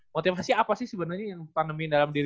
motivasi apa sih sebenernya yang pandemin dalam diri lu